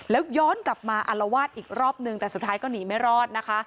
แล้วย้อนกลับมาอารวาสอีกรอบนึงแต่สุดท้ายก็หนีไม่รอดนะคะ